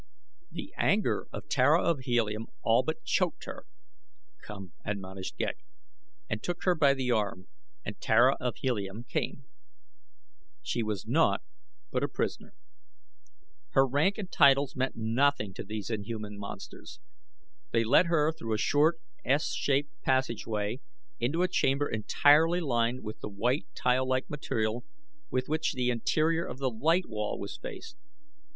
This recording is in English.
The anger of Tara of Helium all but choked her. "Come," admonished Ghek, and took her by the arm, and Tara of Helium came. She was naught but a prisoner. Her rank and titles meant nothing to these inhuman monsters. They led her through a short, S shaped passageway into a chamber entirely lined with the white, tile like material with which the interior of the light wall was faced.